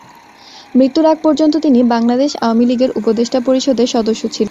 মৃত্যুর আগ পর্যন্ত তিনি বাংলাদেশ আওয়ামী লীগের উপদেষ্টা পরিষদের সদস্য ছিলেন।